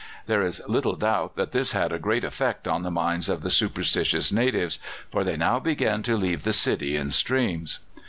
There is little doubt that this had a great effect on the minds of the superstitious natives, for they now began to leave the city in streams.